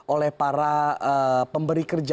oleh para pemberi kerja